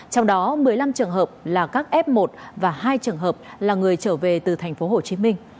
trong đó một mươi năm trường hợp là các f một và hai trường hợp là người trở về từ tp hcm